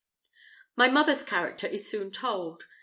My mother's character is soon told.